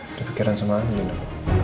itu pikiran sama andin pak